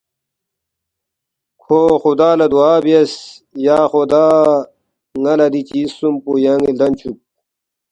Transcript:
کھو خُدا لہ دُعا بیاس، ”یا خُدا ن٘ا لہ دی چیز خسُوم پو یان٘ی لدن چُوک